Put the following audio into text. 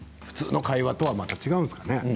普通の会話とはまた違うんですかね。